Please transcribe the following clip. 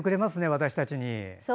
私たちに。